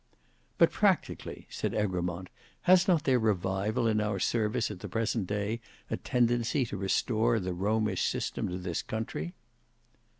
"But practically," said Egremont, "has not their revival in our service at the present day a tendency to restore the Romish system in this country?"